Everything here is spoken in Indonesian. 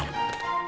lo bajunya piggy aja